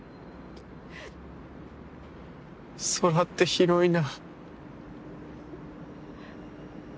空って広いな。